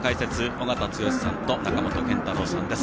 尾方剛さんと中本健太郎さんです。